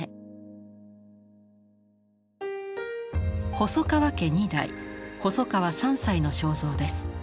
細川家二代細川三斎の肖像です。